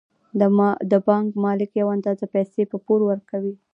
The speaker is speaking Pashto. د بانک مالک یوه اندازه پیسې په پور ورکوي